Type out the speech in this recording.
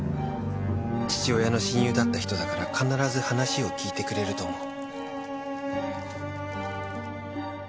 「父親の親友だった人だから必ず話を聞いてくれると思う」